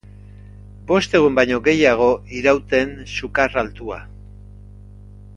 Bost egun baino gehiago irauten sukar altua.